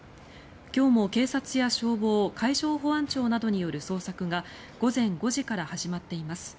今日も警察や消防海上保安庁などによる捜索が午前５時から始まっています。